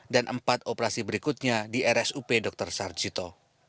dan empat operasi berikutnya di rsup dr sarjito